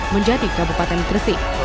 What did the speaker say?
menjadi kabupaten gersik